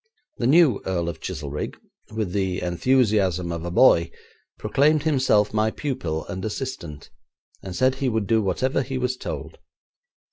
The new Earl of Chizelrigg, with the enthusiasm of a boy, proclaimed himself my pupil and assistant, and said he would do whatever he was told.